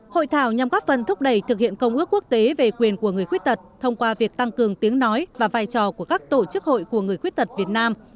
hội thảo nhằm góp phần thúc đẩy thực hiện công ước quốc tế về quyền của người khuyết tật thông qua việc tăng cường tiếng nói và vai trò của các tổ chức hội của người khuyết tật việt nam